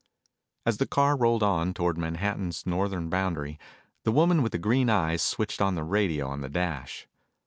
As the car rolled on toward Manhattan's northern boundary, the woman with the green eyes switched on the radio on the dash.